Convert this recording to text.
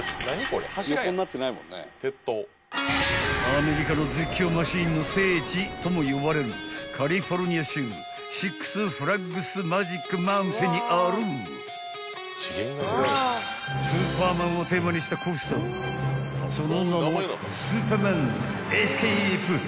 ［アメリカの絶叫マシンの聖地とも呼ばれるカリフォルニア州シックス・フラッグス・マジック・マウンテンにある『スーパーマン』をテーマにしたコースターその名も］